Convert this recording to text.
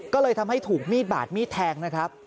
ก็เลยทำให้ถูกมีดบาดมีดแทงนะครับ